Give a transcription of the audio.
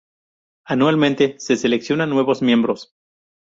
Anualmente, se seleccionan nuevos miembros.